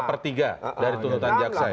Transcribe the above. per tiga dari tuntutan jaksa ya